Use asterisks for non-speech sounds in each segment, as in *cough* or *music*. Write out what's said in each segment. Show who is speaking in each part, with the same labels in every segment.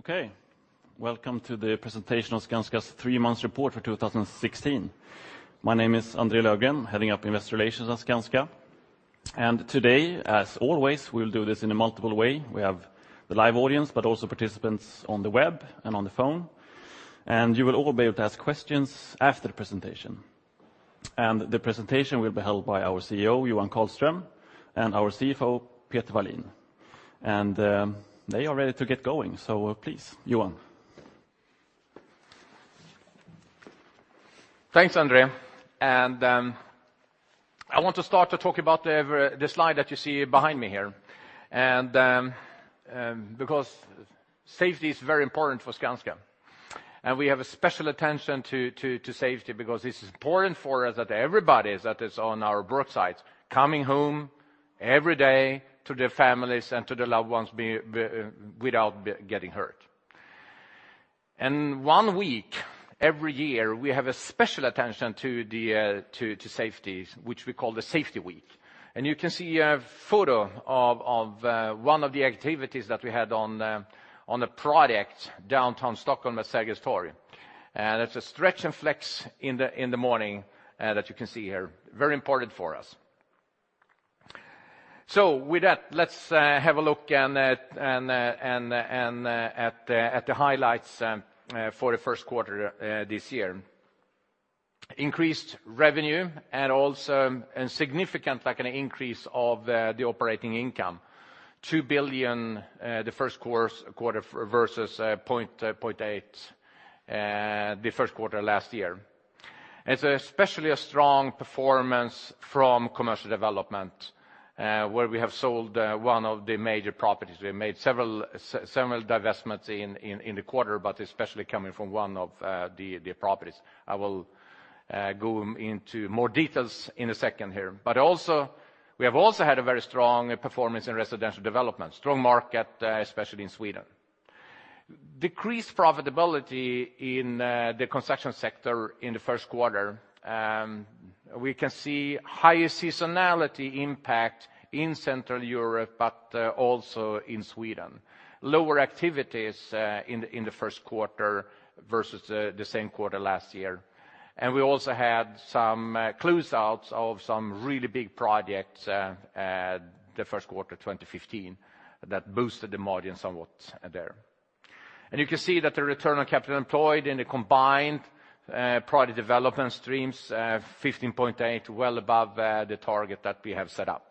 Speaker 1: Okay, welcome to the presentation of Skanska's three-month report for 2016. My name is André Löfgren, heading up Investor Relations at Skanska. And today, as always, we'll do this in a multiple way. We have the live audience, but also participants on the web and on the phone, and you will all be able to ask questions after the presentation. And the presentation will be held by our CEO, Johan Karlström, and our CFO, Peter Wallin. And, they are ready to get going, so, please, Johan.
Speaker 2: Thanks, André. And, I want to start to talk about the slide that you see behind me here. And, because safety is very important for Skanska, and we have a special attention to safety because this is important for us that everybody that is on our work sites, coming home every day to their families and to their loved ones without getting hurt. And one week every year, we have a special attention to the safety, which we call the safety week. And you can see a photo of one of the activities that we had on a project, downtown Stockholm, Sergels Torg. And it's a stretch and flex in the morning that you can see here. Very important for us. So with that, let's have a look at the highlights for the first quarter this year. Increased revenue, and also significant, like, an increase of the operating income. 2 billion the first quarter versus 0.8 billion the first quarter last year. It's especially a strong performance from commercial development, where we have sold one of the major properties. We made several several divestments in the quarter, but especially coming from one of the properties. I will go into more details in a second here. But also, we have also had a very strong performance in residential development. Strong market especially in Sweden. Decreased profitability in the construction sector in the first quarter. We can see higher seasonality impact in Central Europe, but also in Sweden. Lower activities in the first quarter versus the same quarter last year. And we also had some closeouts of some really big projects the first quarter, 2015, that boosted the margin somewhat there. And you can see that the return on capital employed in the combined project development streams, 15.8, well above the target that we have set up.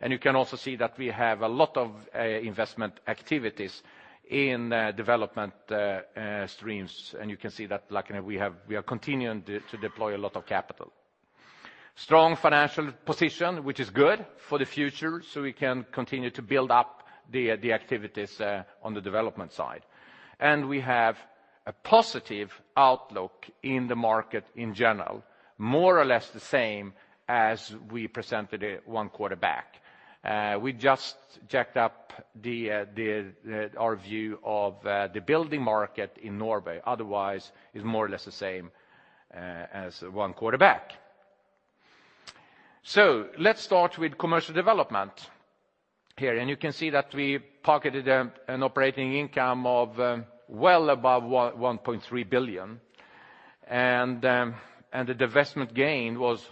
Speaker 2: And you can also see that we have a lot of investment activities in development streams, and you can see that, like, we are continuing to deploy a lot of capital. Strong financial position, which is good for the future, so we can continue to build up the activities on the development side. We have a positive outlook in the market in general, more or less the same as we presented it one quarter back. We just jacked up our view of the building market in Norway. Otherwise, it's more or less the same as one quarter back. So let's start with commercial development here, and you can see that we pocketed an operating income of well above 1.3 billion. And the divestment gain was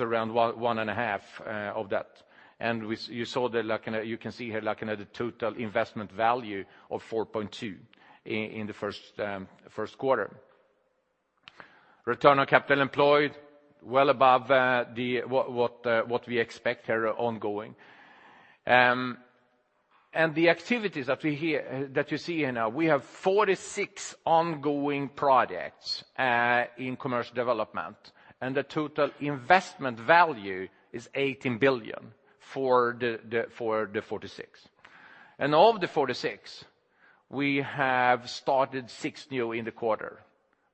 Speaker 2: around one and a half of that. You saw the, like, you can see here, like, in the total investment value of 4.2 billion in the first quarter. Return on capital employed, well above what we expect here ongoing. And the activities that we hear, that you see here now, we have 46 ongoing projects in commercial development, and the total investment value is 18 billion for the 46. And of the 46, we have started nine new in the quarter.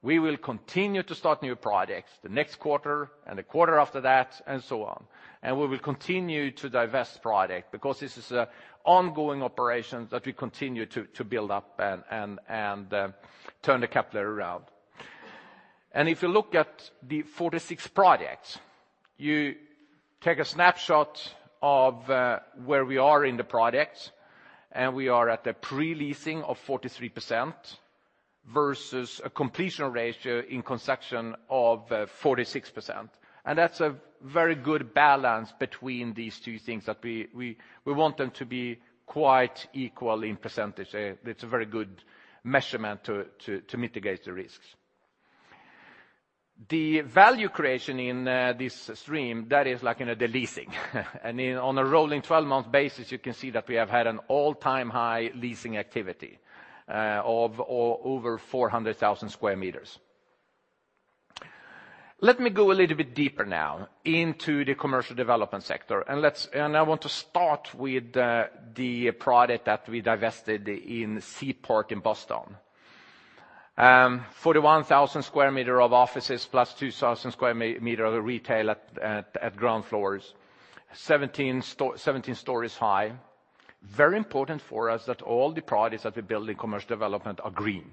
Speaker 2: We will continue to start new projects the next quarter and the quarter after that, and so on. And we will continue to divest project, because this is an ongoing operation that we continue to build up and turn the capital around. And if you look at the 46 projects, you take a snapshot of where we are in the projects, and we are at the pre-leasing of 43% versus a completion ratio in construction of 46%. That's a very good balance between these two things, that we want them to be quite equal in percentage. It's a very good measurement to mitigate the risks. The value creation in this stream, that is, like, in the leasing. On a rolling 12 month basis, you can see that we have had an all-time high leasing activity of over 400,000 square meters. Let me go a little bit deeper now into the commercial development sector, and I want to start with the project that we divested in Seaport in Boston. 41,000 square meters of offices, plus 2,000 square meters of retail at ground floors, 17 stories high. Very important for us that all the projects that we build in commercial development are green.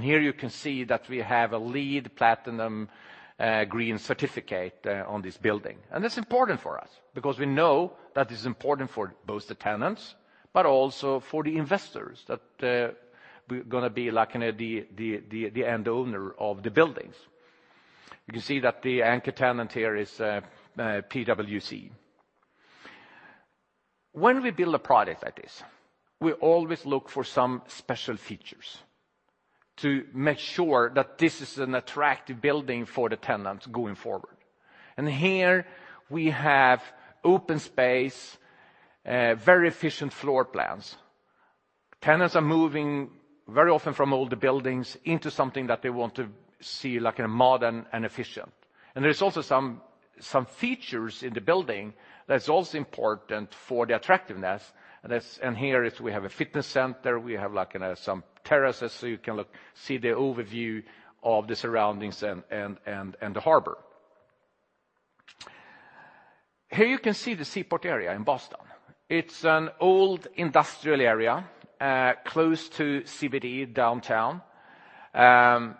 Speaker 2: Here you can see that we have a LEED Platinum green certificate on this building. That's important for us, because we know that it's important for both the tenants, but also for the investors, that we're gonna be like in the end owner of the buildings. You can see that the anchor tenant here is PwC. When we build a product like this, we always look for some special features to make sure that this is an attractive building for the tenants going forward. Here we have open space, very efficient floor plans. Tenants are moving very often from older buildings into something that they want to see, like, in a modern and efficient. And there's also some features in the building that's also important for the attractiveness. And that's and here we have a fitness center, we have, like, some terraces, so you can see the overview of the surroundings and the harbor. Here you can see the Seaport area in Boston. It's an old industrial area close to CBD downtown.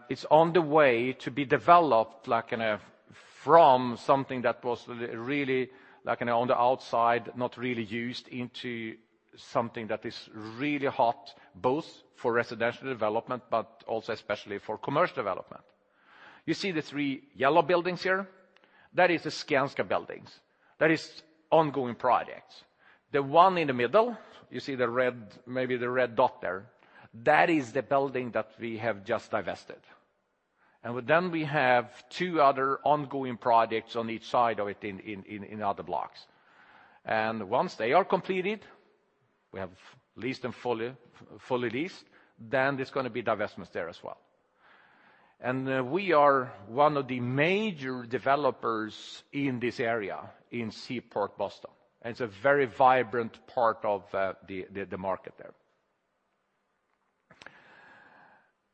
Speaker 2: It's on the way to be developed, like, in a from something that was really, like, on the outside, not really used, into something that is really hot, both for residential development, but also especially for commercial development. You see the three yellow buildings here? That is the Skanska buildings. That is ongoing projects. The one in the middle, you see the red, maybe the red dot there, that is the building that we have just divested. Then we have two other ongoing projects on each side of it in other blocks. Once they are completed, we have leased them fully, fully leased, then there's gonna be divestments there as well. We are one of the major developers in this area, in Seaport, Boston. It's a very vibrant part of the market there.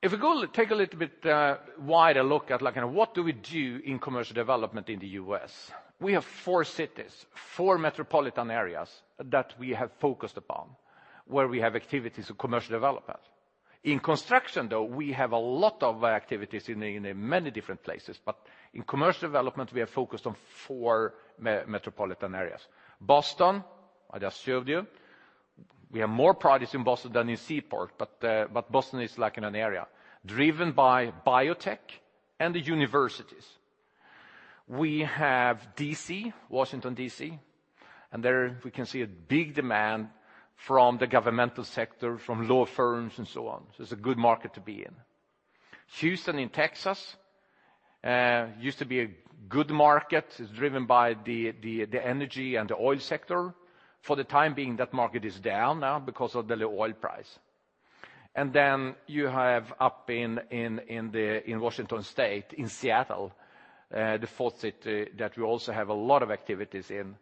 Speaker 2: If we go take a little bit wider look at, like, what do we do in commercial development in the U.S.? We have four cities, four metropolitan areas that we have focused upon, where we have activities of commercial development. In construction, though, we have a lot of activities in many different places, but in commercial development, we are focused on four metropolitan areas. Boston, I just showed you. We have more projects in Boston than in Seaport, but Boston is like in an area driven by biotech and the universities. We have DC, Washington DC., and there we can see a big demand from the governmental sector, from law firms, and so on. So it's a good market to be in. Houston, in Texas, used to be a good market. It's driven by the energy and the oil sector. For the time being, that market is down now because of the low oil price. And then you have up in Washington State, in Seattle, the fourth city that we also have a lot of activities in.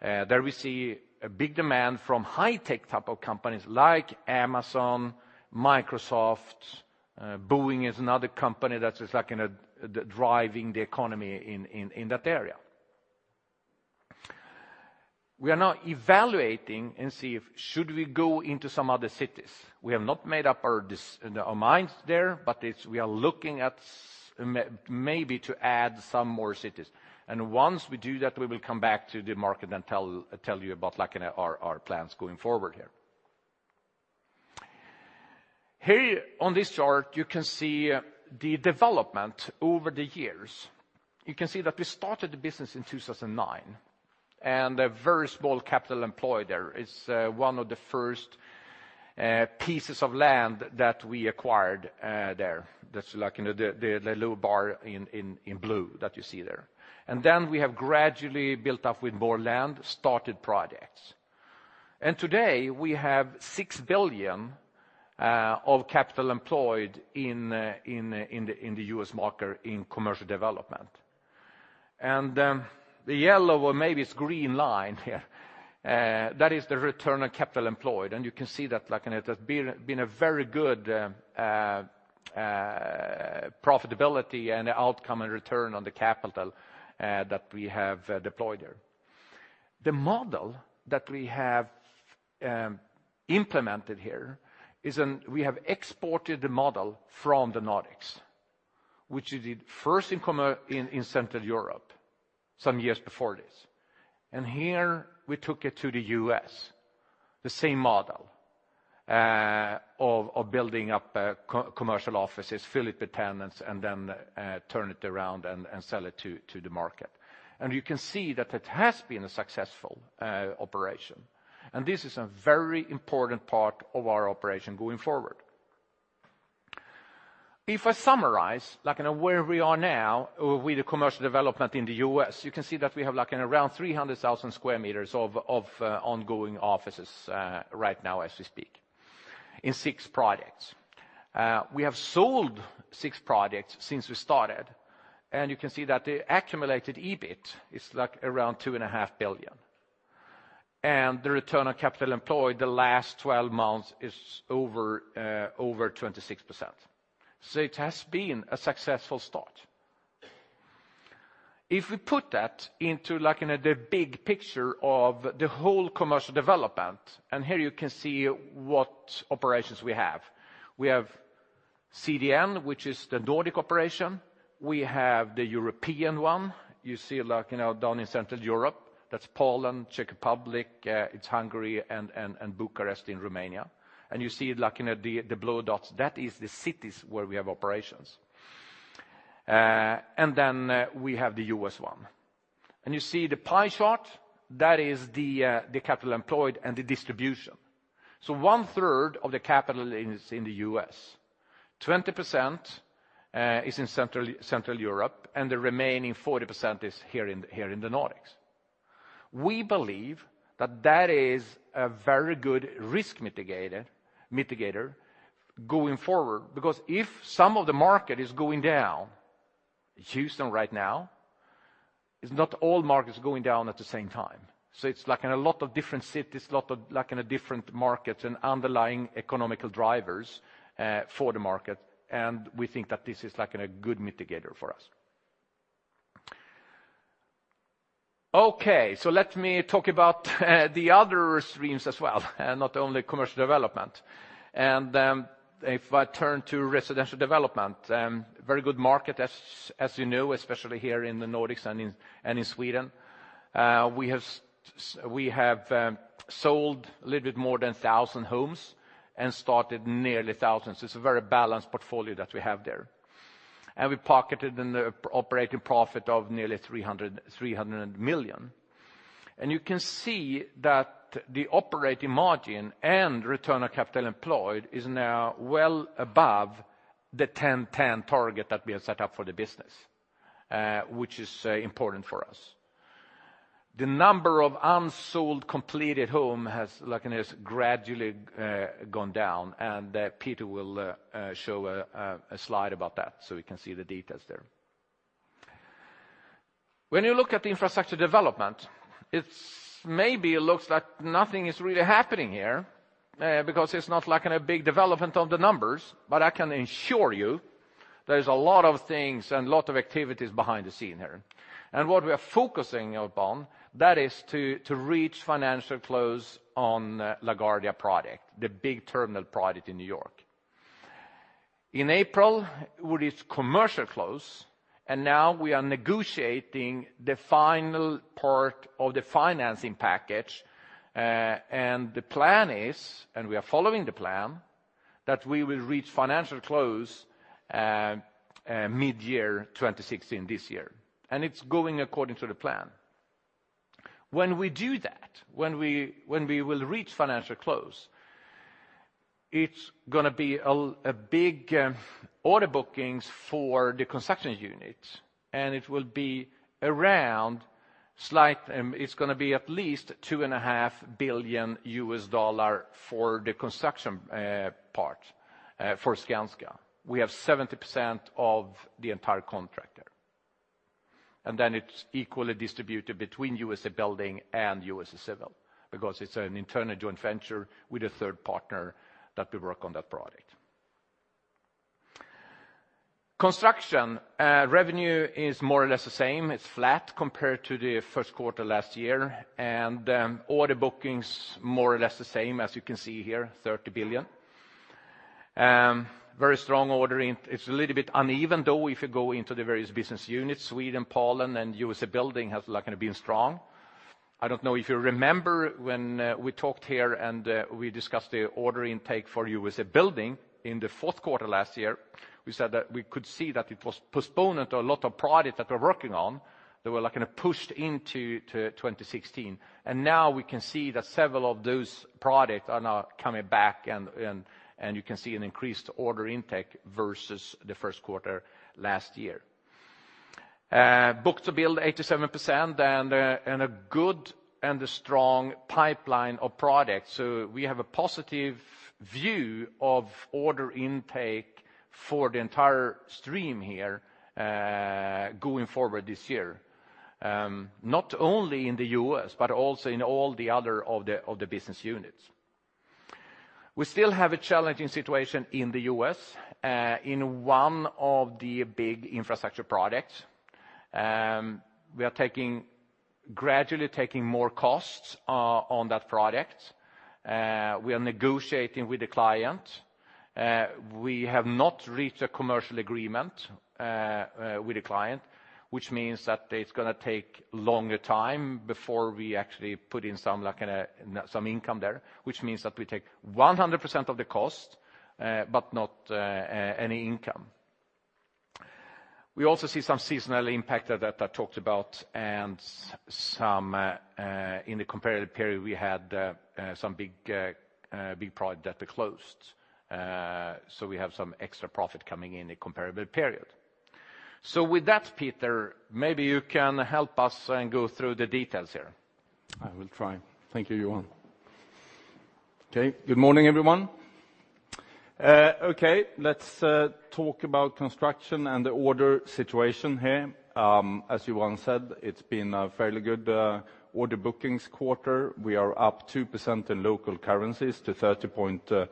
Speaker 2: There we see a big demand from high-tech type of companies like Amazon, Microsoft, Boeing is another company that is, like, driving the economy in that area. We are now evaluating and see if should we go into some other cities. We have not made up our minds there, but we are looking at maybe to add some more cities. And once we do that, we will come back to the market and tell you about, like, our plans going forward here. Here on this chart, you can see the development over the years. You can see that we started the business in 2009, and a very small capital employed there. It's one of the first pieces of land that we acquired there. That's like in the little bar in blue that you see there. And then we have gradually built up with more land, started projects. And today, we have 6 billion of capital employed in the U.S. market in commercial development. And the yellow or maybe it's green line here, that is the return on capital employed. And you can see that, like, and it has been a very good profitability and outcome and return on the capital that we have deployed there. The model that we have implemented here is we have exported the model from the Nordics, which is the first in commercial in Central Europe, some years before this. And here we took it to the US, the same model, of building up commercial offices, fill it with tenants, and then turn it around and sell it to the market. And you can see that it has been a successful operation, and this is a very important part of our operation going forward. If I summarize, like, where we are now with the commercial development in the US, you can see that we have, like, around 300,000 square meters of ongoing offices right now as we speak, in six projects. We have sold six projects since we started, and you can see that the accumulated EBIT is, like, around 2.5 billion. And the return on capital employed the last 12 months is over 26%. So it has been a successful start. If we put that into like in the big picture of the whole commercial development, and here you can see what operations we have. We have CDN, which is the Nordic operation. We have the European one. You see, like, you know, down in Central Europe, that's Poland, Czech Republic, it's Hungary, and Bucharest in Romania. And you see, like in the blue dots, that is the cities where we have operations. And then, we have the U.S. one. And you see the pie chart, that is the capital employed and the distribution. So one third of the capital is in the U.S., 20% is in Central Europe, and the remaining 40% is here in, here in the Nordics. We believe that that is a very good risk mitigator going forward, because if some of the markets are going down, Houston right now, it's not all markets going down at the same time. So it's like in a lot of different cities, a lot of like in different markets and underlying economic drivers for the market, and we think that this is like a good mitigator for us. Okay, so let me talk about the other streams as well, not only commercial development. And if I turn to residential development, very good market, as you know, especially here in the Nordics and in Sweden. We have sold a little bit more than 1,000 homes and started nearly 1,000. So it's a very balanced portfolio that we have there. We pocketed in the operating profit of nearly 300 million. You can see that the operating margin and return on capital employed is now well above the 10-10 target that we have set up for the business, which is important for us. The number of unsold completed home has like gradually gone down, and Peter will show a slide about that, so we can see the details there. When you look at the infrastructure development, it's maybe it looks like nothing is really happening here, because it's not like in a big development of the numbers, but I can assure you there's a lot of things and a lot of activities behind the scene here. What we are focusing upon, that is to reach financial close on LaGuardia project, the big terminal project in New York. In April, we reached commercial close, and now we are negotiating the final part of the financing package. And the plan is, and we are following the plan, that we will reach financial close, midyear 2016, this year, and it's going according to the plan. When we do that, when we, when we will reach financial close, it's gonna be a big order bookings for the construction unit, and it will be around slight. It's gonna be at least $2.5 billion for the construction part for Skanska. We have 70% of the entire contract there. And then it's equally distributed between USA Building and USA Civil, because it's an internal joint venture with a third partner that we work on that project. Construction revenue is more or less the same. It's flat compared to the first quarter last year, and order bookings, more or less the same as you can see here, 30 billion. Very strong ordering. It's a little bit uneven, though, if you go into the various business units. Sweden, Poland, and USA Building has like been strong. I don't know if you remember when we talked here and we discussed the order intake for USA Building in the fourth quarter last year. We said that we could see that it was postponed to a lot of projects that we're working on. They were like pushed into 2016. And now we can see that several of those projects are now coming back, and, and, and you can see an increased order intake versus the first quarter last year. Book to build, 87%, and a good and a strong pipeline of products. So we have a positive view of order intake for the entire stream here, going forward this year, not only in the US, but also in all the other of the business units. We still have a challenging situation in the US, in one of the big infrastructure products. We are taking, gradually taking more costs, on that product. We are negotiating with the client. We have not reached a commercial agreement, with the client, which means that it's gonna take longer time before we actually put in some income there, which means that we take 100% of the cost, but not any income. We also see some seasonal impact that I talked about, and some in the comparative period, we had some big project that we closed. So we have some extra profit coming in the comparable period. So with that, Peter, maybe you can help us and go through the details here.
Speaker 3: I will try. Thank you, Johan. Okay, good morning, everyone. Okay, let's talk about construction and the order situation here. As Johan said, it's been a fairly good order bookings quarter. We are up 2% in local currencies to 30.3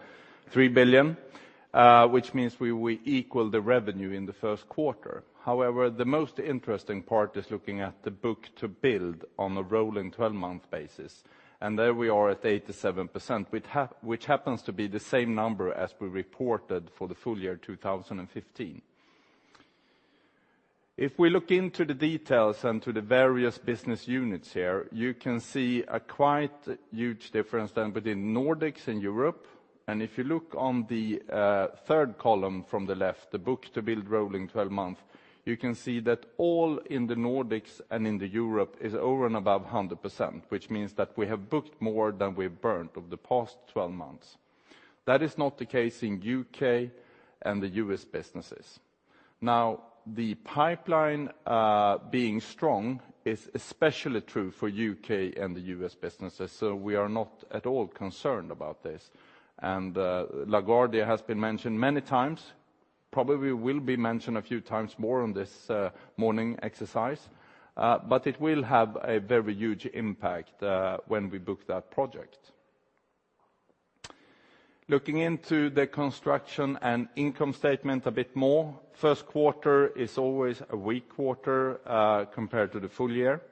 Speaker 3: billion, which means we will equal the revenue in the first quarter. However, the most interesting part is looking at the book to build on a rolling twelve-month basis, and there we are at 87%, which happens to be the same number as we reported for the full year, 2015. If we look into the details and to the various business units here, you can see a quite huge difference then between Nordics and Europe. And if you look on the, third column from the left, the book to build rolling 12-month, you can see that all in the Nordics and in the Europe is over and above 100%, which means that we have booked more than we've burnt over the past 12 months. That is not the case in U.K. and the U.S. businesses. Now, the pipeline, being strong is especially true for U.K. and the U.S. businesses, so we are not at all concerned about this. And, LaGuardia has been mentioned many times, probably will be mentioned a few times more on this, morning exercise, but it will have a very huge impact, when we book that project. Looking into the construction and income statement a bit more, first quarter is always a weak quarter, compared to the full year.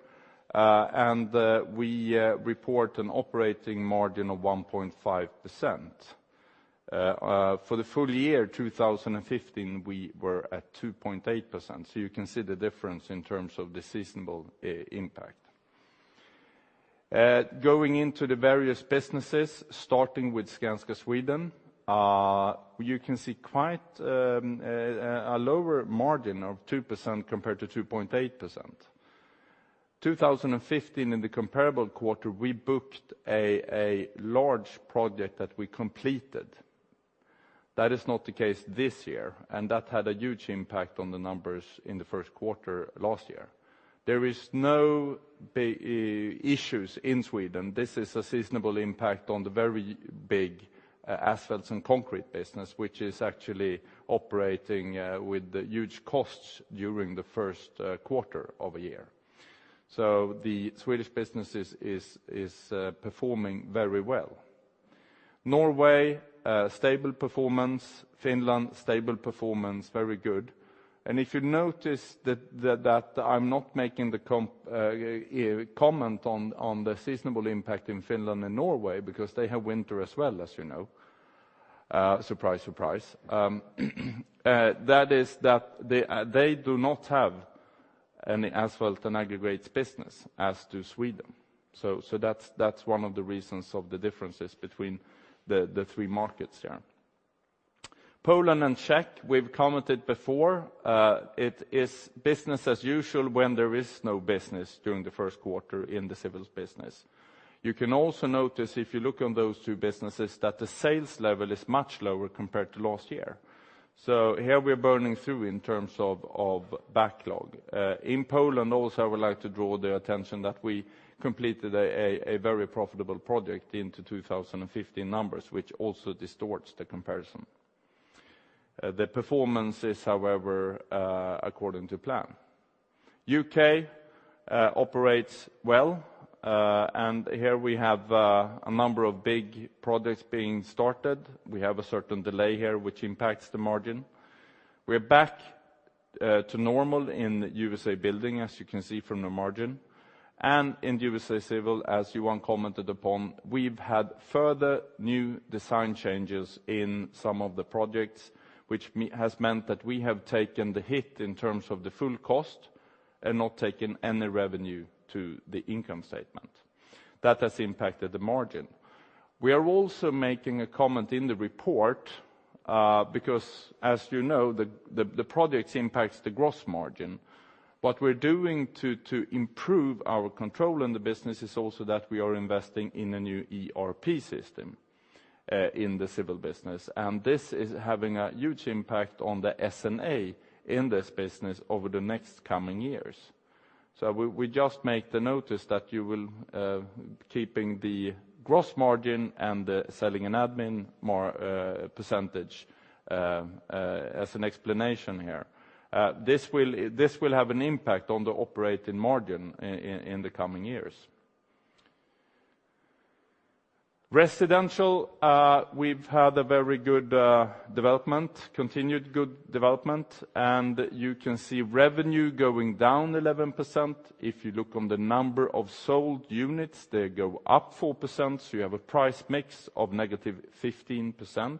Speaker 3: We report an operating margin of 1.5%. For the full year, 2015, we were at 2.8%, so you can see the difference in terms of the seasonal impact. Going into the various businesses, starting with Skanska Sweden, you can see quite a lower margin of 2% compared to 2.8%. 2015, in the comparable quarter, we booked a large project that we completed. That is not the case this year, and that had a huge impact on the numbers in the first quarter last year. There is no big issues in Sweden. This is a seasonal impact on the very big asphalts and concrete business, which is actually operating with huge costs during the first quarter of a year. So the Swedish business is performing very well. Norway, stable performance, Finland, stable performance, very good. And if you notice that I'm not making the comment on the seasonal impact in Finland and Norway, because they have winter as well as you know, surprise, surprise. That is that they do not have any asphalt and aggregates business as to Sweden. So that's one of the reasons of the differences between the three markets here. Poland and Czech, we've commented before, it is business as usual when there is no business during the first quarter in the civils business. You can also notice, if you look on those two businesses, that the sales level is much lower compared to last year. So here we're burning through in terms of backlog. In Poland, also, I would like to draw the attention that we completed a very profitable project into 2015 numbers, which also distorts the comparison. The performance is, however, according to plan. UK operates well, and here we have a number of big projects being started. We have a certain delay here, which impacts the margin. We're back to normal in USA Building, as you can see from the margin, and in the USA Civil, as Johan commented upon, we've had further new design changes in some of the projects, which has meant that we have taken the hit in terms of the full cost and not taken any revenue to the income statement. That has impacted the margin. We are also making a comment in the report, because as you know, the project impacts the gross margin. What we're doing to improve our control in the business is also that we are investing in a new ERP system in the civil business, and this is having a huge impact on the S&A in this business over the next coming years. So we just make the notice that you will keeping the gross margin and selling and admin more percentage as an explanation here. This will have an impact on the operating margin in the coming years. Residential, we've had a very good development, continued good development, and you can see revenue going down 11%. If you look on the number of sold units, they go up 4%, so you have a price mix of -15%.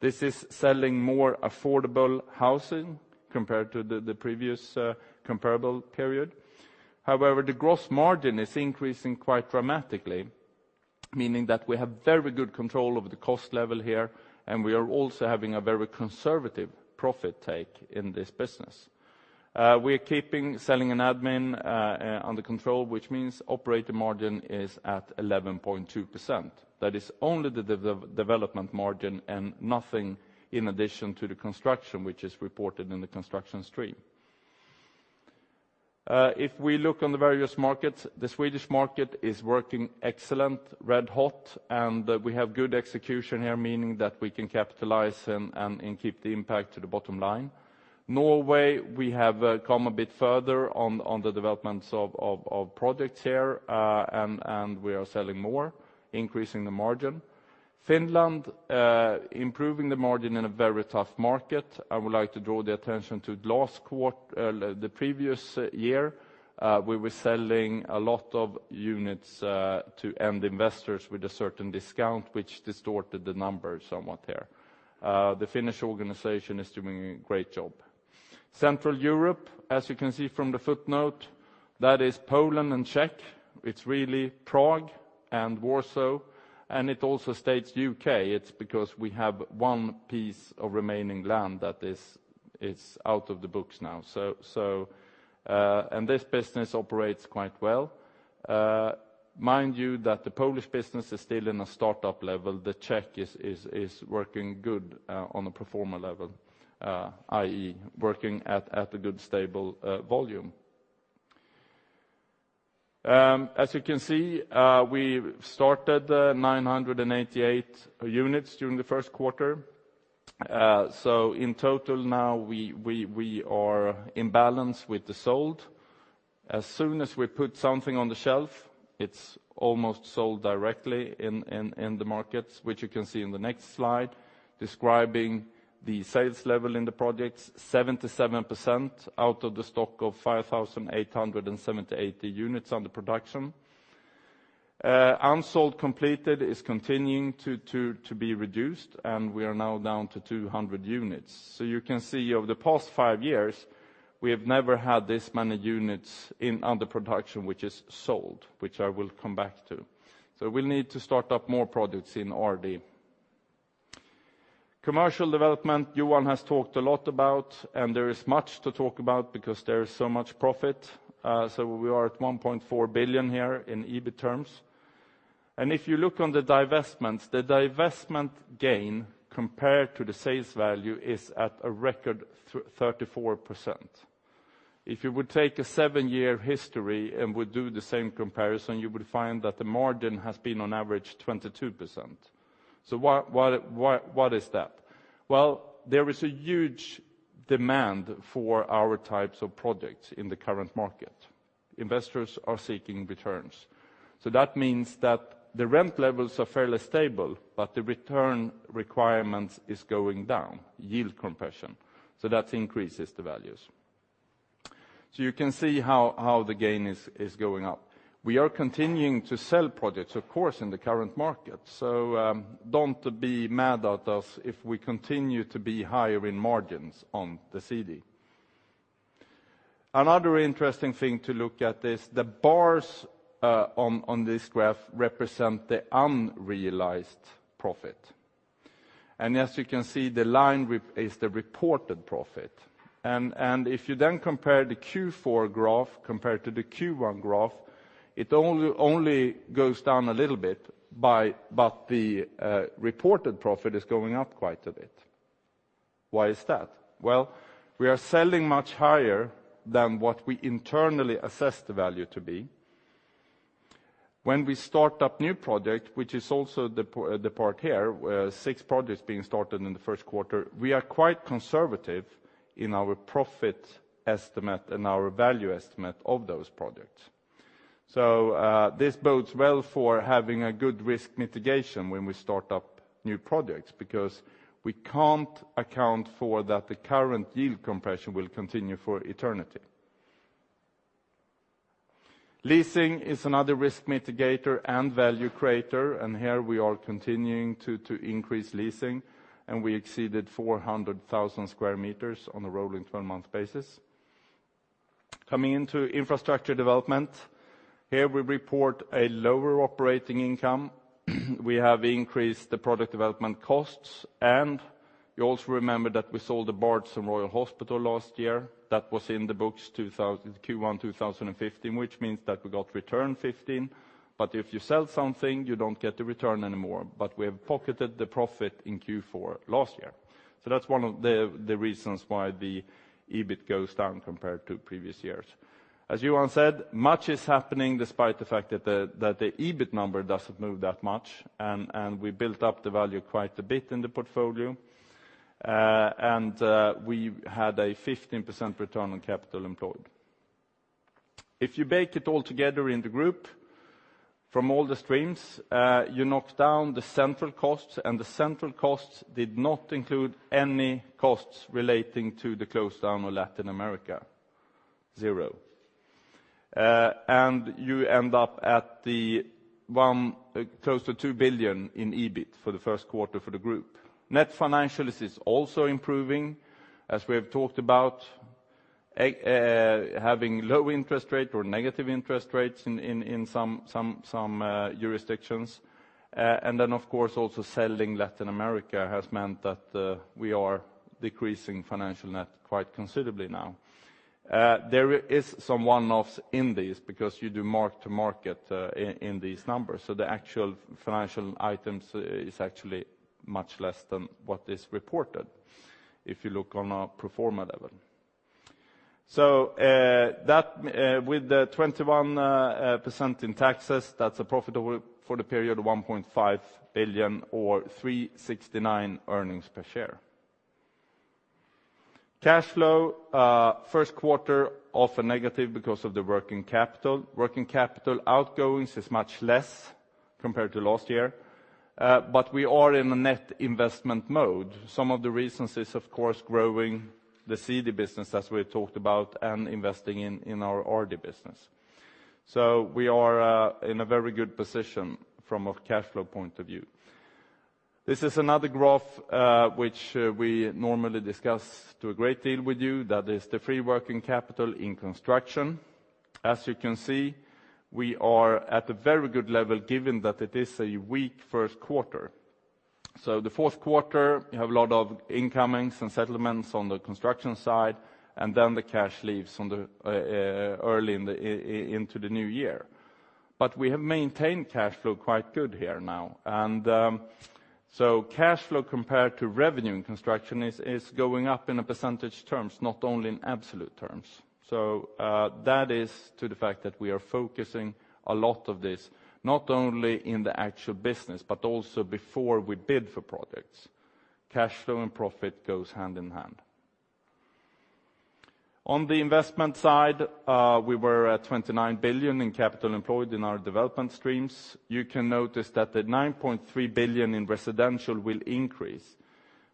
Speaker 3: This is selling more affordable housing compared to the previous comparable period. However, the gross margin is increasing quite dramatically, meaning that we have very good control over the cost level here, and we are also having a very conservative profit take in this business. We are keeping selling and admin under control, which means operating margin is at 11.2%. That is only the development margin and nothing in addition to the construction, which is reported in the construction stream. If we look on the various markets, the Swedish market is working excellent, red hot, and we have good execution here, meaning that we can capitalize and keep the impact to the bottom line. Norway, we have come a bit further on the developments of projects here, and we are selling more, increasing the margin. Finland, improving the margin in a very tough market. I would like to draw the attention to last quarter, the previous year, we were selling a lot of units to end investors with a certain discount, which distorted the numbers somewhat there. The Finnish organization is doing a great job. Central Europe, as you can see from the footnote, that is Poland and Czech. It's really Prague and Warsaw, and it also states UK. It's because we have one piece of remaining land that is out of the books now. And this business operates quite well. Mind you, that the Polish business is still in a startup level. The Czech is working good on a pro forma level, i.e., working at a good, stable volume. As you can see, we started 988 units during the first quarter. So in total now, we are in balance with the sold. As soon as we put something on the shelf, it's almost sold directly in the markets, which you can see in the next slide, describing the sales level in the projects. 77% out of the stock of 5,878 units under production. Unsold completed is continuing to be reduced, and we are now down to 200 units. So you can see over the past five years, we have never had this many units in under production, which is sold, which I will come back to. So we'll need to start up more products in RD. Commercial development, Johan has talked a lot about, and there is much to talk about because there is so much profit. So we are at 1.4 billion here in EBIT terms. And if you look on the divestments, the divestment gain compared to the sales value is at a record thirty-four percent. If you would take a seven-year history and would do the same comparison, you would find that the margin has been on average twenty-two percent. So what, what, what, what is that? Well, there is a huge demand for our types of products in the current market. Investors are seeking returns. So that means that the rent levels are fairly stable, but the return requirement is going down, yield compression. So that increases the values. So you can see how the gain is going up. We are continuing to sell products, of course, in the current market, so don't be mad at us if we continue to be higher in margins on the CD. Another interesting thing to look at is the bars on this graph represent the unrealized profit. And as you can see, the line is the reported profit. And if you then compare the Q4 graph compared to the Q1 graph, it only goes down a little bit, but the reported profit is going up quite a bit. Why is that? Well, we are selling much higher than what we internally assess the value to be. When we start up new project, which is also the part here, six projects being started in the first quarter, we are quite conservative in our profit estimate and our value estimate of those projects. So, this bodes well for having a good risk mitigation when we start up new projects, because we can't account for that the current yield compression will continue for eternity. Leasing is another risk mitigator and value creator, and here we are continuing to increase leasing, and we exceeded 400,000 sq m on a rolling 12 month basis. Coming into infrastructure development, here we report a lower operating income. We have increased the product development costs, and you also remember that we sold the Bart's and Royal Hospital last year. That was in the books Q1 2015, which means that we got return 2015. But if you sell something, you don't get the return anymore, but we have pocketed the profit in Q4 last year. So that's one of the reasons why the EBIT goes down compared to previous years. As Johan said, much is happening despite the fact that the EBIT number doesn't move that much, and we built up the value quite a bit in the portfolio. And we had a 15% return on capital employed. If you bake it all together in the group from all the streams, you knock down the central costs, and the central costs did not include any costs relating to the close down of Latin America. Zero. And you end up at close to 2 billion in EBIT for the first quarter for the group. Net financial is also improving, as we have talked about, having low interest rate or negative interest rates in some jurisdictions. And then, of course, also selling Latin America has meant that we are decreasing financial net quite considerably now. There is some one-offs in this because you do mark to market in these numbers. So the actual financial items is actually much less than what is reported if you look on a pro forma level. So, that with the 21% in taxes, that's a profit for the period of 1.5 billion or 369 earnings per share. Cash flow first quarter, often negative because of the working capital. Working capital outgoings is much less compared to last year, but we are in a net investment mode. Some of the reasons is, of course, growing the CD business, as we talked about, and investing in our RD business. So we are in a very good position from a cash flow point of view. This is another graph, which we normally discuss to a great deal with you, that is the free working capital in construction. As you can see, we are at a very good level, given that it is a weak first quarter. So the fourth quarter, you have a lot of incomings and settlements on the construction side, and then the cash leaves in the early into the new year. But we have maintained cash flow quite good here now. And so cash flow compared to revenue in construction is going up in a percentage terms, not only in absolute terms. That is to the fact that we are focusing a lot of this, not only in the actual business, but also before we bid for projects. Cash flow and profit goes hand in hand. On the investment side, we were at 29 billion in capital employed in our development streams. You can notice that the 9.3 billion in residential will increase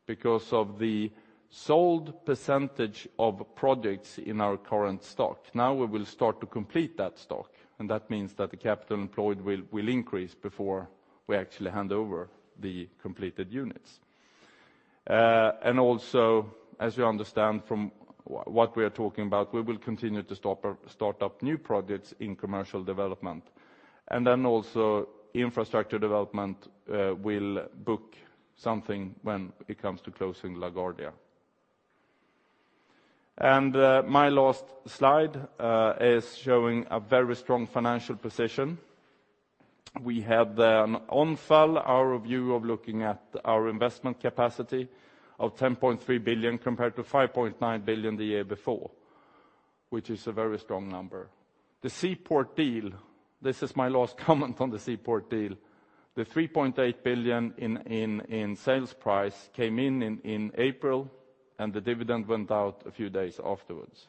Speaker 3: because of the sold percentage of projects in our current stock. Now, we will start to complete that stock, and that means that the capital employed will increase before we actually hand over the completed units. And also, as you understand from what we are talking about, we will continue to start up new projects in commercial development. And then also, infrastructure development will book something when it comes to closing LaGuardia. My last slide is showing a very strong financial position. We had an inflow, our view of looking at our investment capacity of 10.3 billion, compared to 5.9 billion the year before, which is a very strong number. The Seaport deal, this is my last comment on the Seaport deal. The 3.8 billion in sales price came in in April, and the dividend went out a few days afterwards.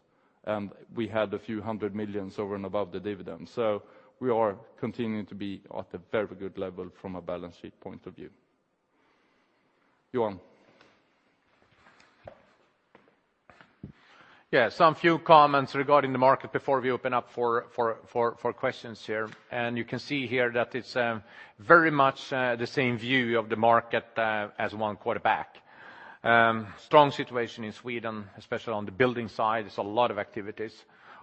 Speaker 3: We had a few hundred million over and above the dividend. We are continuing to be at a very good level from a balance sheet point of view. Johan?
Speaker 2: Yeah, some few comments regarding the market before we open up for questions here. And you can see here that it's very much the same view of the market as one quarter back. Strong situation in Sweden, especially on the building side, there's a lot of activities.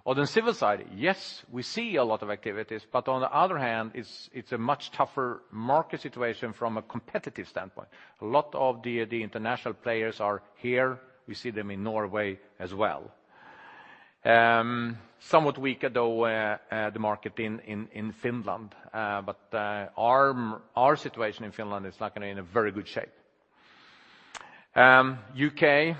Speaker 2: On the civil side, yes, we see a lot of activities, but on the other hand, it's a much tougher market situation from a competitive standpoint. A lot of the international players are here. We see them in Norway as well. Somewhat weaker, though, the market in Finland, but our situation in Finland is like in a very good shape. U.K.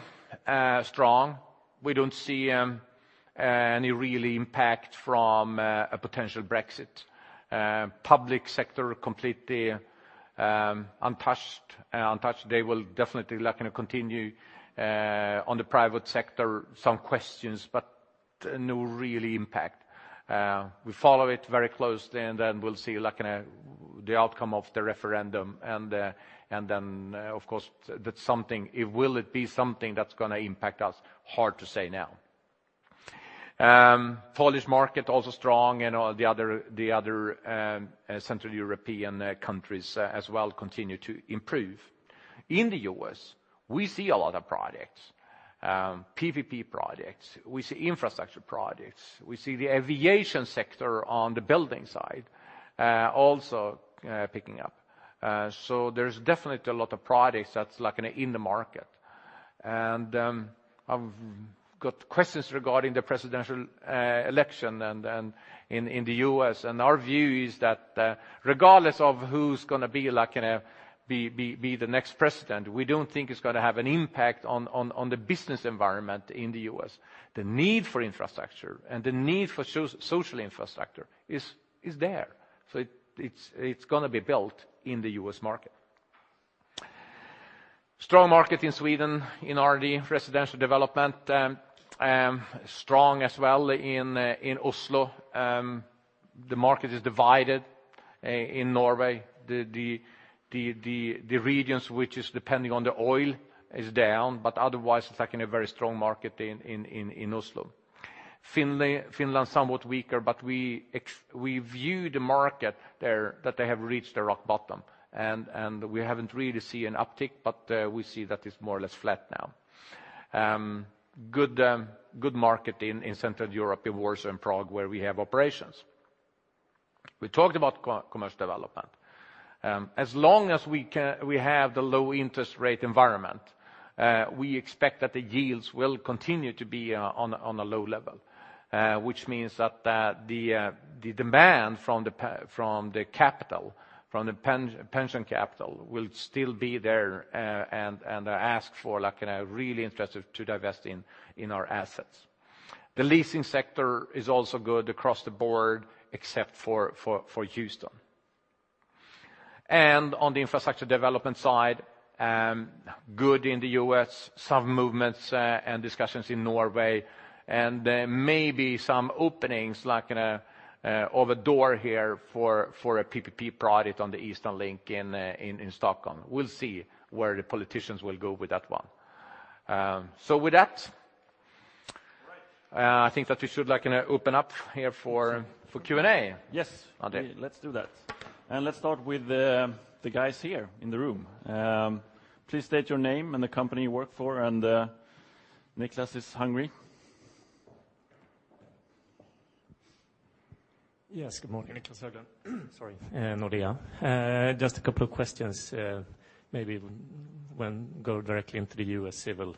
Speaker 2: strong. We don't see any real impact from a potential Brexit. Public sector completely untouched. They will definitely, like, continue. On the private sector, some questions, but no real impact. We follow it very closely, and then we'll see, like, the outcome of the referendum, and then, of course, that's something, will it be something that's gonna impact us? Hard to say now. Polish market, also strong, and all the other central European countries as well continue to improve. In the U.S., we see a lot of projects, PPP projects. We see infrastructure projects. We see the aviation sector on the building side, also picking up. So there's definitely a lot of projects that's like in the market. And, I've got questions regarding the presidential election and in the U.S. Our view is that, regardless of who's gonna be, like, the next president, we don't think it's gonna have an impact on the business environment in the U.S. The need for infrastructure and the need for social infrastructure is there, so it's gonna be built in the U.S. market. Strong market in Sweden, in RD, Residential Development, strong as well in Oslo. The market is divided in Norway. The regions which is depending on the oil is down, but otherwise, it's like in a very strong market in Oslo. Finland, Finland is somewhat weaker, but we view the market there, that they have reached rock bottom, and we haven't really seen an uptick, but we see that it's more or less flat now. Good market in Central Europe, in Warsaw and Prague, where we have operations. We talked about commercial development. As long as we have the low interest rate environment, we expect that the yields will continue to be on a low level, which means that the demand from the pension capital will still be there, and investors, like, are really interested to invest in our assets. The leasing sector is also good across the board, except for Houston. On the infrastructure development side, good in the US, some movements and discussions in Norway, and maybe some openings, like in a, of a door here for a PPP project on the Eastern link in Stockholm. We'll see where the politicians will go with that one. I think that we should like, open up here for Q&A.
Speaker 1: Yes
Speaker 2: André
Speaker 1: Let's do that. And let's start with the guys here in the room. Please state your name and the company you work for, and Niclas is hungry.
Speaker 4: Yes, good morning, Niclas Höglund. Sorry, Nordea. Just a couple of questions. Maybe when go directly into the US Civil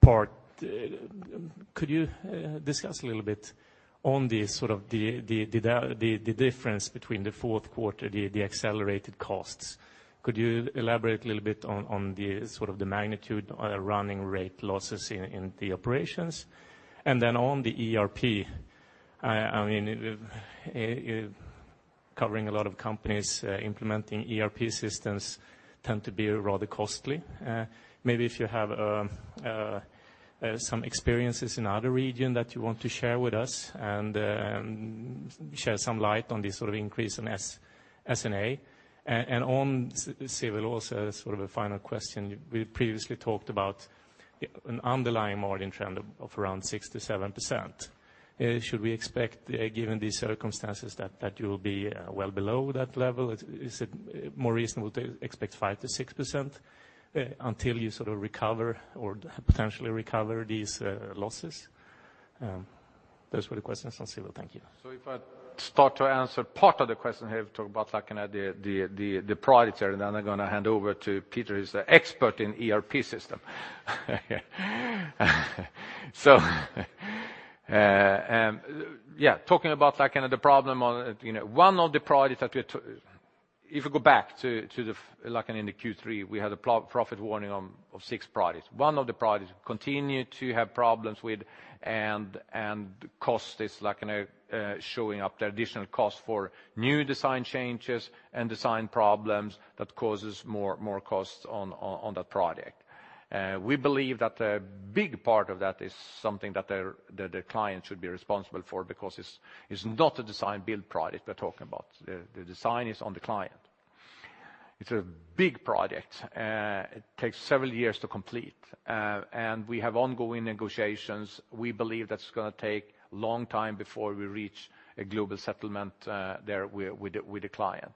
Speaker 4: part. Could you discuss a little bit on the sort of the difference between the fourth quarter, the accelerated costs? Could you elaborate a little bit on the sort of the magnitude or the running rate losses in the operations? And then on the ERP, I mean, covering a lot of companies, implementing ERP systems tend to be rather costly. Maybe if you have some experiences in other region that you want to share with us, and shed some light on this sort of increase in SG&A. On Civil also, sort of a final question, we previously talked about an underlying margin trend of around 6%-7%. Should we expect, given these circumstances, that you will be well below that level? Is it more reasonable to expect 5%-6%, until you sort of recover or potentially recover these losses? Those were the questions on Civil. Thank you.
Speaker 2: So if I start to answer part of the question here, talk about like in the project, and then I'm gonna hand over to Peter, who's the expert in ERP system. So, talking about like kind of the problem on, you know, one of the projects that If we go back to the like in the Q3, we had a profit warning on six projects. One of the projects continue to have problems with and costs is like in a showing up the additional cost for new design changes and design problems that causes more costs on that project. We believe that a big part of that is something that the client should be responsible for, because it's not a design build project we're talking about. The design is on the client. It's a big project, it takes several years to complete, and we have ongoing negotiations. We believe that's gonna take long time before we reach a global settlement there with the client.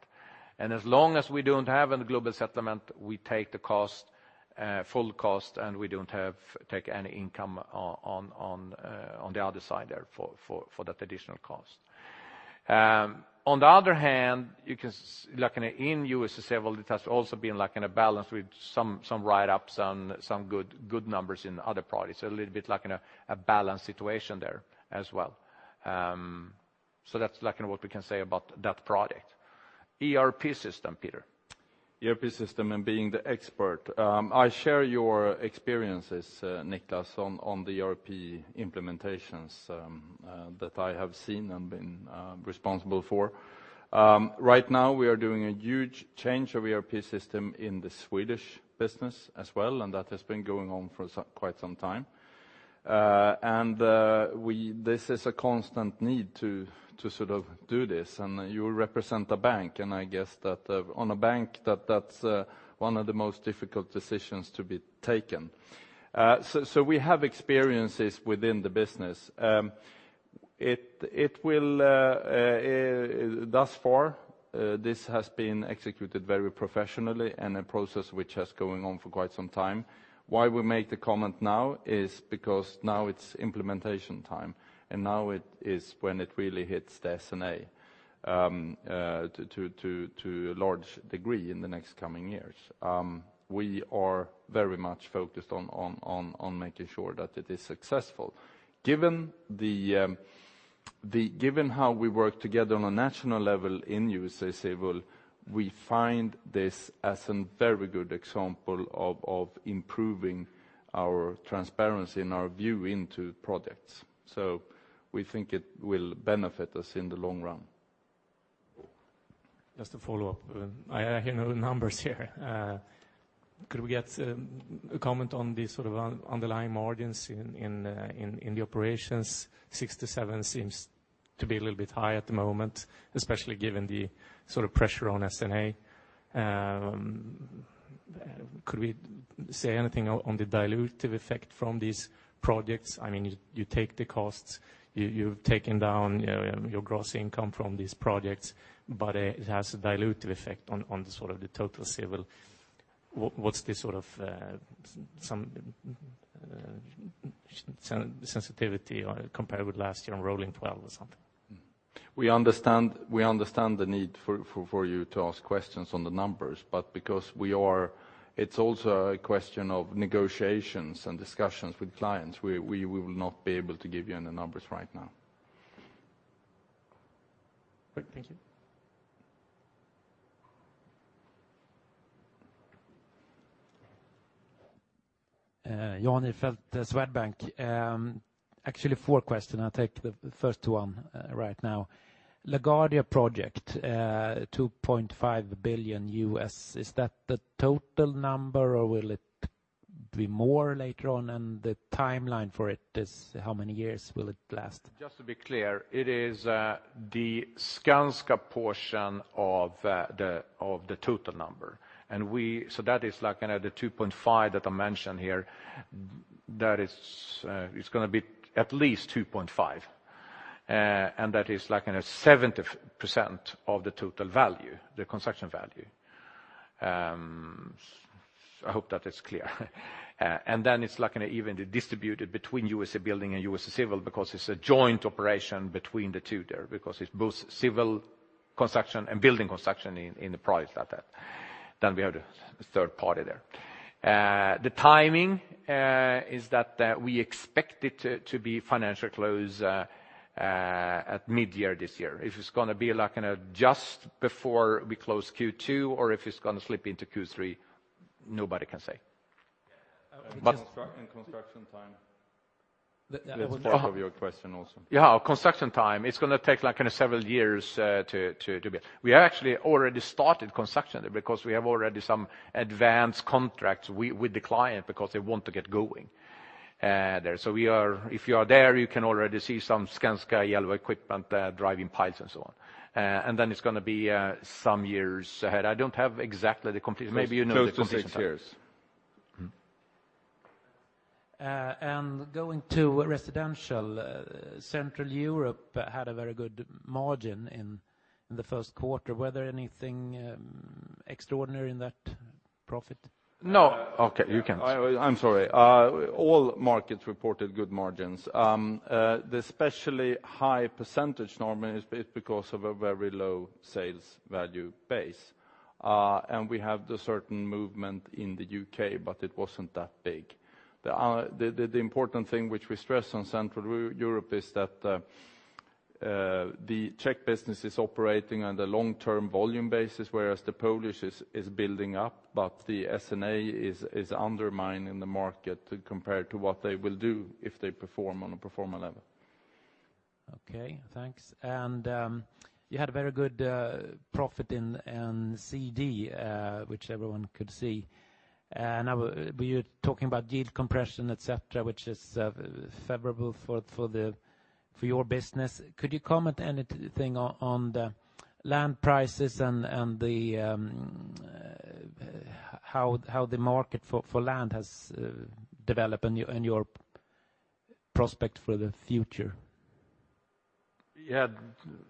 Speaker 2: And as long as we don't have a global settlement, we take the full cost, and we don't have take any income on the other side there for that additional cost. On the other hand, you can like in US Civil, it has also been like in a balance with some write-ups and some good numbers in other projects, a little bit like in a balanced situation there as well. So that's like what we can say about that project. ERP system, Peter.
Speaker 3: ERP system, and being the expert, I share your experiences, Niclas, on the ERP implementations that I have seen and been responsible for. Right now, we are doing a huge change of ERP system in the Swedish business as well, and that has been going on for some quite some time. This is a constant need to sort of do this, and you represent a bank, and I guess that on a bank, that's one of the most difficult decisions to be taken. So we have experiences within the business. Thus far, this has been executed very professionally, and a process which has going on for quite some time. Why we make the comment now is because now it's implementation time, and now it is when it really hits the S&A to a large degree in the next coming years. We are very much focused on making sure that it is successful. Given how we work together on a national level in USA Civil, we find this as a very good example of improving our transparency and our view into projects. So we think it will benefit us in the long run.
Speaker 4: Just to follow up, I hear no numbers here. Could we get a comment on the sort of underlying margins in the operations? 6%-7% seems to be a little bit high at the moment, especially given the sort of pressure on S&A. Could we say anything on the dilutive effect from these projects? I mean, you take the costs, you've taken down your gross income from these projects, but it has a dilutive effect on the sort of the total civil. What's the sort of sensitivity compared with last year on rolling 12 or something?
Speaker 3: We understand the need for you to ask questions on the numbers, but because we are, it's also a question of negotiations and discussions with clients, we will not be able to give you any numbers right now.
Speaker 4: Great, thank you.
Speaker 5: Jan Ihrfelt, Swedbank. Actually, four questions. I'll take the first one right now. LaGuardia project, $2.5 billion, is that the total number, or will it be more later on? And the timeline for it is how many years will it last?
Speaker 2: Just to be clear, it is the Skanska portion of the total number. We- so that is like, you know, the $2.5 billion that I mentioned here, that is, it's gonna be at least $2.5 billion. That is like, you know, 70% of the total value, the construction value. I hope that is clear. It's like, you know, even distributed between USA Building and USA Civil, because it's a joint operation between the two there, because it's both civil construction and building construction in the project like that. We have the third party there. The timing is that we expect it to be financial close at mid-year this year. If it's gonna be, like, you know, just before we close Q2, or if it's gonna slip into Q3, nobody can say. But
Speaker 5: And construction, construction time.
Speaker 2: Yeah, uh That's part of your question also. Yeah, construction time, it's gonna take like, kind of, several years, to build. We actually already started construction there, because we have already some advanced contracts with the client, because they want to get going, there. So we are. If you are there, you can already see some Skanska yellow equipment, driving piles and so on. And then it's gonna be some years ahead. I don't have exactly the complete, maybe you know the completion time.
Speaker 3: Close to six years. Mm-hmm.
Speaker 5: Going to residential, Central Europe had a very good margin in the first quarter. Were there anything extraordinary in that profit?
Speaker 3: No.
Speaker 2: Okay, you can.
Speaker 3: I'm sorry. All markets reported good margins. The especially high percentage, Norman, is because of a very low sales value base. And we have the certain movement in the UK, but it wasn't that big. The important thing which we stress on Central Europe is that, the Czech business is operating on the long-term volume basis, whereas the Polish is building up, but the S&A is undermining the market compared to what they will do if they perform on a pro forma level.
Speaker 5: Okay, thanks. And you had a very good profit in CD, which everyone could see. And we're talking about yield compression, et cetera, which is favorable for your business. Could you comment anything on the land prices and how the market for land has developed in your prospect for the future?
Speaker 2: Yeah,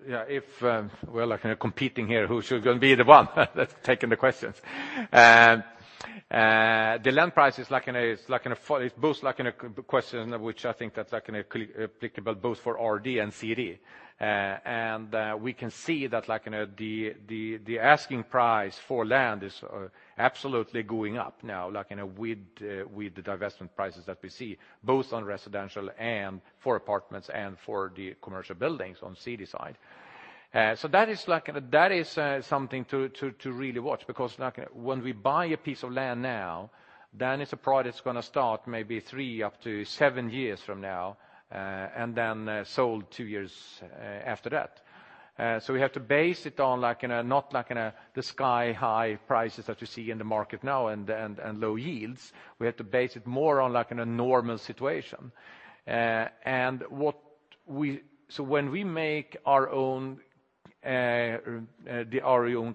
Speaker 2: yeah, if we're like kind of competing here, who should going to be the one that's taking the questions? The land price is like in a *inaudible* both like in a question which I think that's applicable both for RD and CD. And we can see that, like you know, the asking price for land is absolutely going up now with the divestment prices that we see, both on residential and for apartments and for the commercial buildings on CD side. So that is like, that is, something to really watch, because, like, when we buy a piece of land now, then it's a project that's gonna start maybe three upto seven years from now, and then sold two years after that. So we have to base it on, like, you know, not like in the sky-high prices that you see in the market now and low yields. We have to base it more on, like, in a normal situation. And what we, so when we make our own, our own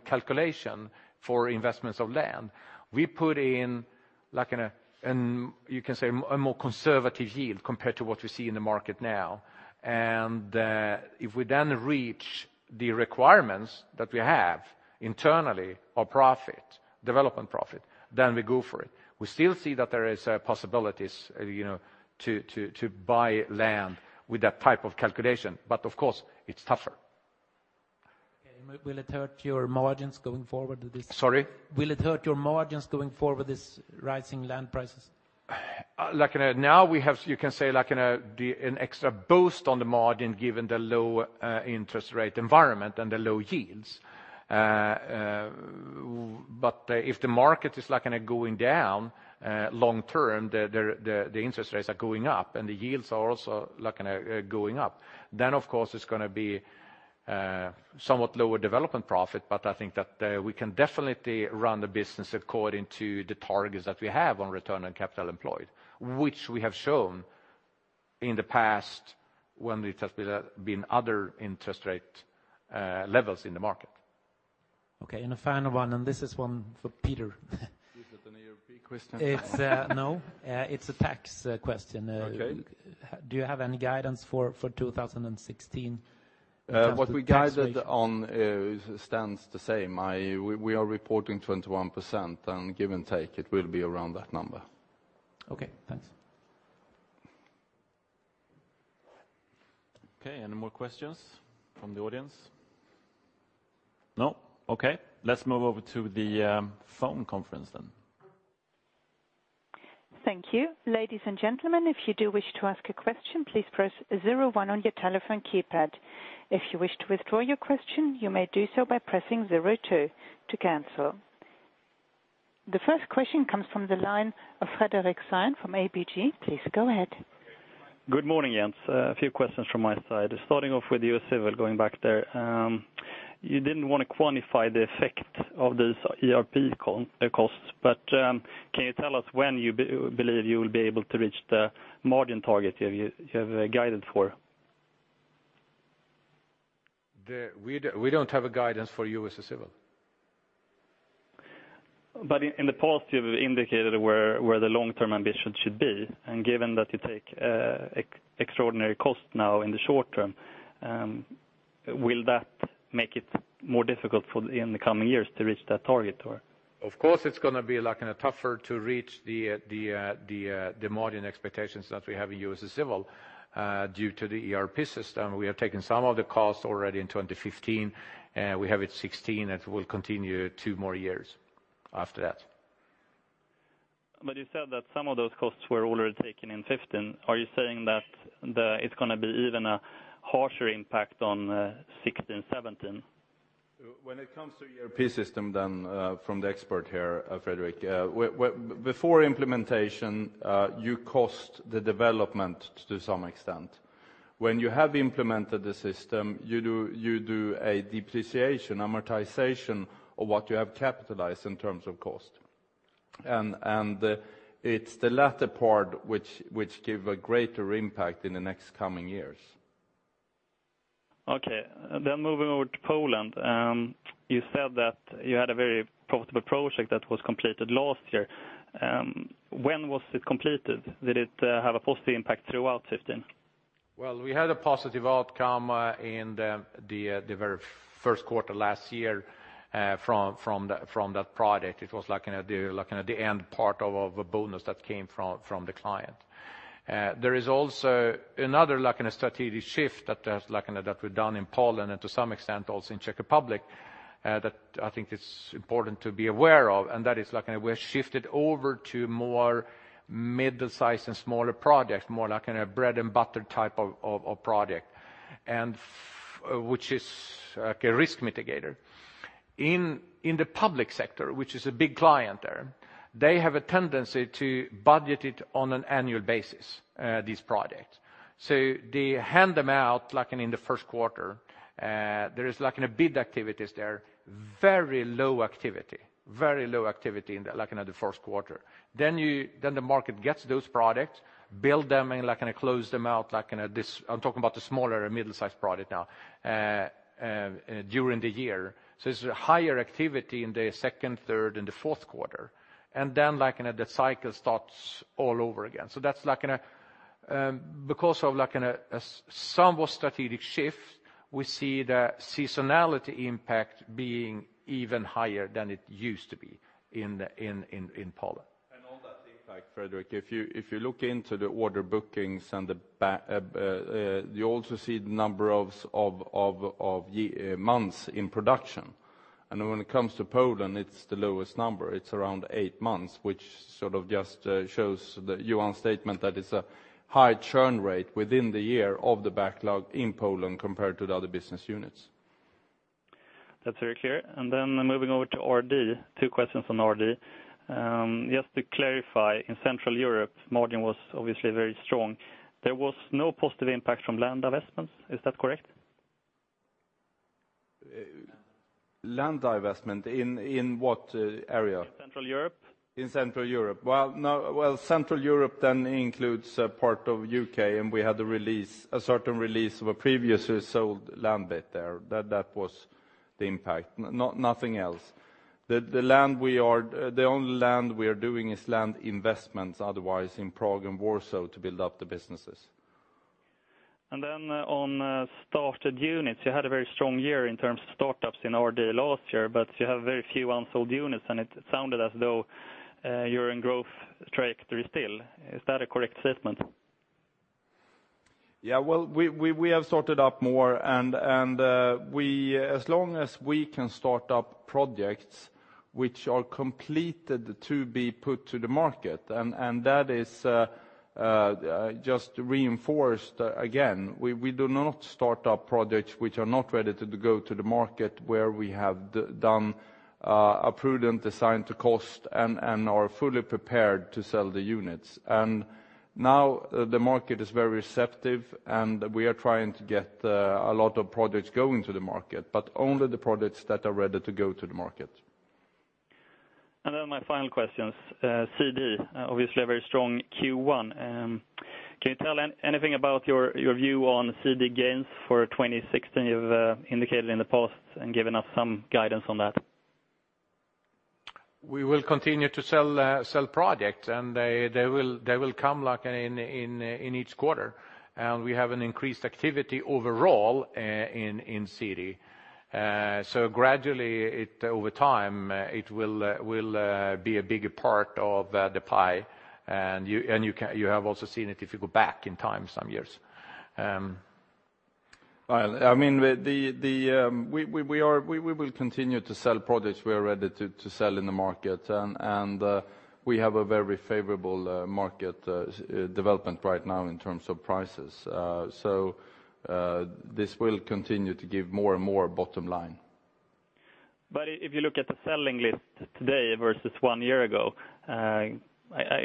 Speaker 2: calculation for investments of land, we put in, like, an, you can say, a more conservative yield compared to what you see in the market now. If we then reach the requirements that we have internally of profit, development profit, then we go for it. We still see that there is possibilities, you know, to buy land with that type of calculation, but of course, it's tougher.
Speaker 5: Okay, will it hurt your margins going forward with this?
Speaker 2: Sorry?
Speaker 5: Will it hurt your margins going forward with this rising land prices?
Speaker 2: Like now, we have, you can say, like, an extra boost on the margin, given the low interest rate environment and the low yields. But if the market is, like, going down long term, the interest rates are going up and the yields are also, like, going up, then, of course, it's gonna be somewhat lower development profit. But I think that we can definitely run the business according to the targets that we have on return on capital employed, which we have shown in the past when it has been other interest rate levels in the market.
Speaker 5: Okay, and a final one, and this is one for Peter.
Speaker 3: Is it an ARP question?
Speaker 5: It's no, it's a tax question.
Speaker 2: Okay.
Speaker 5: Do you have any guidance for 2016?
Speaker 3: What we guided on stands the same. We are reporting 21%, and give and take, it will be around that number.
Speaker 5: Okay, thanks.
Speaker 1: Okay, any more questions from the audience? No. Okay, let's move over to the phone conference then.
Speaker 6: Thank you. Ladies and gentlemen, if you do wish to ask a question, please press zero one on your telephone keypad. If you wish to withdraw your question, you may do so by pressing zero two to cancel. The first question comes from the line of Fredrik Cyon from ABG. Please go ahead.
Speaker 7: Good morning, Jens. A few questions from my side. Starting off with USA Civil, going back there, you didn't want to quantify the effect of this ERP costs, but, can you tell us when you believe you will be able to reach the margin target you have guided for?
Speaker 3: We don't have a guidance for USA Civil.
Speaker 7: But in the past, you've indicated where the long-term ambition should be, and given that you take extraordinary costs now in the short term, will that make it more difficult in the coming years to reach that target or?
Speaker 3: Of course, it's gonna be like in a tougher to reach the, the, the margin expectations that we have in USA Civil, due to the ERP system. We have taken some of the costs already in 2015, and we have it 2016, and it will continue two more years after that.
Speaker 7: But you said that some of those costs were already taken in 2015. Are you saying that it's gonna be even a harsher impact on 2016, 2017?
Speaker 3: When it comes to ERP system, then, from the expert here, Fredrik, before implementation, you cost the development to some extent. When you have implemented the system, you do, you do a depreciation, amortization of what you have capitalized in terms of cost. And, and it's the latter part which, which give a greater impact in the next coming years.
Speaker 7: Okay. Then moving over to Poland, you said that you had a very profitable project that was completed last year. When was it completed? Did it have a positive impact throughout 2015?
Speaker 2: Well, we had a positive outcome in the very first quarter last year from that project. It was like in the end part of a bonus that came from the client. There is also another strategic shift that we've done in Poland, and to some extent also in Czech Republic, that I think it's important to be aware of, and that is like in a way shifted over to more middle size and smaller projects, more like in a bread-and-butter type of project, and which is like a risk mitigator. In the public sector, which is a big client there, they have a tendency to budget it on an annual basis, these projects. So they hand them out, like in the first quarter. There is like bidding activities there, very low activity, very low activity in the, like in the first quarter. Then the market gets those products, build them, and like kind of close them out. I'm talking about the smaller and middle-sized product now, during the year. So it's a higher activity in the second, third, and the fourth quarter, and then, like in a, the cycle starts all over again. So that's like in a, because of like in a, some more strategic shift, we see the seasonality impact being even higher than it used to be in Poland.
Speaker 3: And on that impact, Fredrik, if you look into the order bookings and the backlog, you also see the number of months in production. And when it comes to Poland, it's the lowest number. It's around eight months, which sort of just shows your statement that it's a high churn rate within the year of the backlog in Poland compared to the other business units.
Speaker 7: That's very clear. Then moving over to RD, two questions on RD. Just to clarify, in Central Europe, margin was obviously very strong. There was no positive impact from land divestments. Is that correct?
Speaker 2: Land divestment in what area?
Speaker 7: In Central Europe.
Speaker 2: In Central Europe? Well, no. Well, Central Europe then includes a part of UK, and we had a release, a certain release of a previously sold land bit there. That was the impact, nothing else. The only land we are doing is land investments, otherwise in Prague and Warsaw, to build up the businesses.
Speaker 7: And then on, started units, you had a very strong year in terms of startups in RD last year, but you have very few unsold units, and it sounded as though, you're in growth trajectory still. Is that a correct statement?
Speaker 2: Yeah, well, we have sorted out more, and as long as we can start up projects which are completed to be put to the market, and that is just reinforced again. We do not start up projects which are not ready to go to the market, where we have done a prudent assessment of cost and are fully prepared to sell the units. And now the market is very receptive, and we are trying to get a lot of projects going to the market, but only the projects that are ready to go to the market.
Speaker 7: And then my final questions, CD, obviously a very strong Q1. Can you tell anything about your view on CD gains for 2016? You've indicated in the past and given us some guidance on that.
Speaker 2: We will continue to sell projects, and they will come like in each quarter. And we have an increased activity overall in CD. So gradually, over time, it will be a bigger part of the pie. And you have also seen it if you go back in time some years.
Speaker 3: I mean, we will continue to sell products we are ready to sell in the market. And we have a very favorable market development right now in terms of prices. So this will continue to give more and more bottom line.
Speaker 7: If you look at the selling list today versus one year ago, I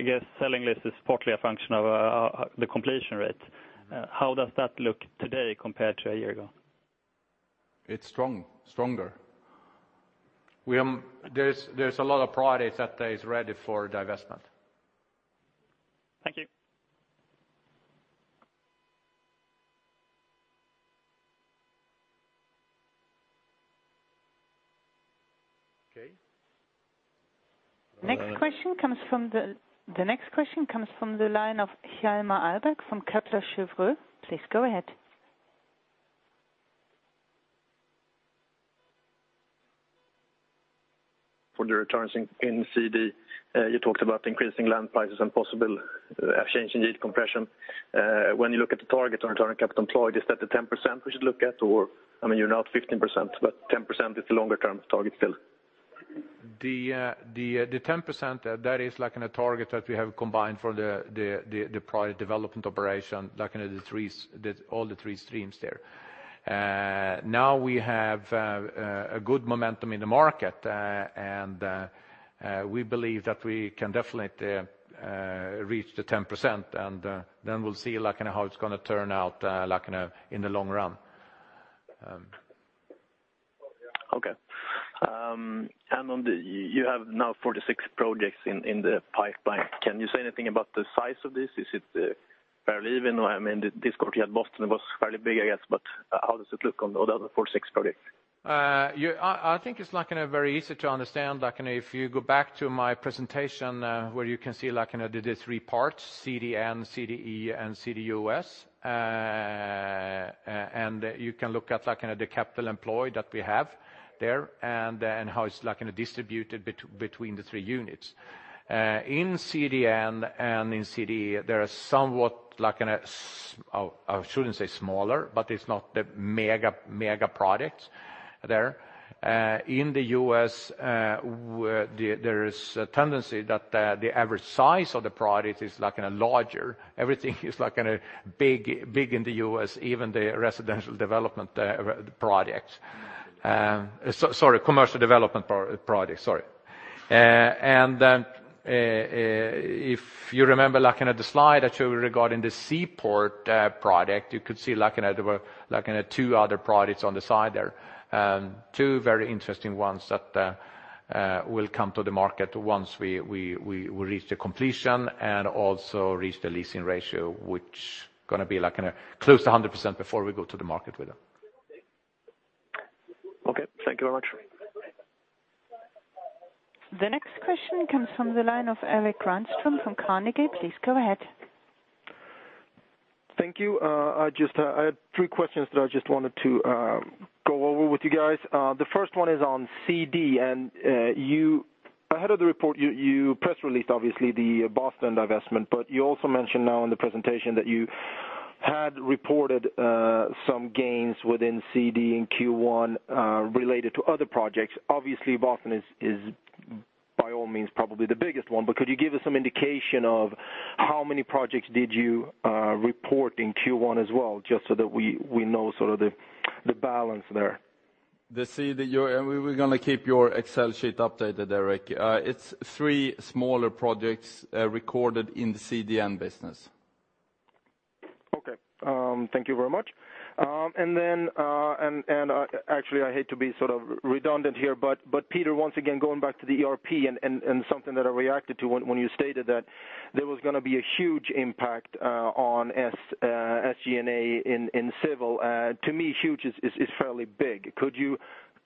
Speaker 7: guess, selling list is partly a function of the completion rate. How does that look today compared to a year ago?
Speaker 3: It's strong, stronger. There's a lot of products that is ready for divestment.
Speaker 7: Thank you.
Speaker 2: Okay.
Speaker 6: Next question comes from the line of Hjalmar Ahlberg from Kepler Cheuvreux. Please go ahead.
Speaker 8: For the returns in CD, you talked about increasing land prices and possible change in yield compression. When you look at the target on return on capital employed, is that the 10% we should look at, or, I mean, you're now at 15%, but 10% is the longer term target still?
Speaker 2: The 10%, that is like in a target that we have combined for the product development operation, like in the threes, all the three streams there. Now we have a good momentum in the market. And we believe that we can definitely reach the 10%, and then we'll see, like, in how it's gonna turn out, like, in the long run.
Speaker 8: Okay. And on the, You have now 46 projects in the pipeline. Can you say anything about the size of this? Is it fairly even? I mean, this quarter you had Boston was fairly big, I guess, but how does it look on the other 46 projects?
Speaker 2: Yeah, I think it's, like, in a very easy to understand, like, you know, if you go back to my presentation, where you can see, like, you know, the three parts, CDN, CDE, and CDUS. And you can look at, like, in the capital employed that we have there, and how it's, like, in a distributed between the three units. In CDN and in CDE, there are somewhat, like in a, I shouldn't say smaller, but it's not the mega, mega projects there. In the US, there is a tendency that the average size of the project is, like, in a larger. Everything is, like in a big, big in the US, even the residential development projects. Sorry, commercial development project, sorry. If you remember, like, in the slide I showed regarding the Seaport project, you could see, like, there were, like, two other projects on the side there. Two very interesting ones that will come to the market once we reach the completion and also reach the leasing ratio, which gonna be, like, close to 100% before we go to the market with them.
Speaker 8: Okay, thank you very much.
Speaker 6: The next question comes from the line of Erik Granström from Carnegie. Please go ahead.
Speaker 9: Thank you. I just, I had three questions that I just wanted to go over with you guys. The first one is on CD, and you ahead of the report, you, you press released, obviously, the Boston divestment, but you also mentioned now in the presentation that you had reported some gains within CD in Q1 related to other projects. Obviously, Boston is, is by all means, probably the biggest one. But could you give us some indication of how many projects did you report in Q1 as well, just so that we, we know sort of the, the balance there?
Speaker 2: The CD, and we were gonna keep your Excel sheet updated, Erik. It's three smaller projects recorded in the CDN business.
Speaker 9: Okay, thank you very much. And then, actually, I hate to be sort of redundant here, but Peter, once again, going back to the ERP and something that I reacted to when you stated that there was gonna be a huge impact on SG&A in civil. To me, huge is fairly big.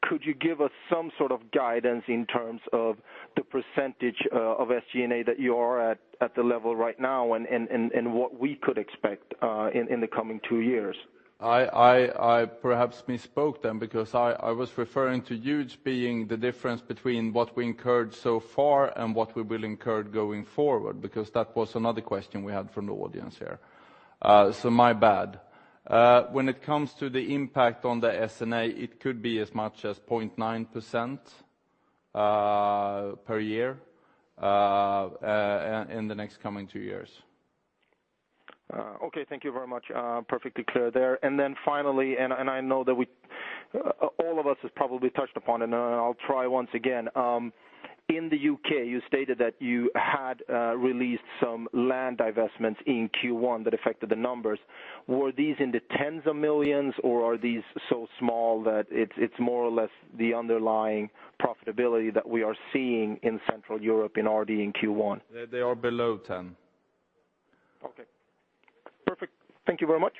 Speaker 9: Could you give us some sort of guidance in terms of the percentage of SG&A that you are at the level right now, and what we could expect in the coming two years?
Speaker 3: I perhaps misspoke then, because I was referring to huge being the difference between what we incurred so far and what we will incur going forward, because that was another question we had from the audience here. So my bad. When it comes to the impact on the S&A, it could be as much as 0.9% per year in the next coming two years.
Speaker 9: Okay, thank you very much. Perfectly clear there. And then finally, and, and I know that we- all of us has probably touched upon it, and I'll try once again. In the UK, you stated that you had released some land divestments in Q1 that affected the numbers. Were these in the SEK tens of millions, or are these so small that it's, it's more or less the underlying profitability that we are seeing in Central Europe, in RD in Q1?
Speaker 3: They are below 10.
Speaker 9: Okay, perfect. Thank you very much.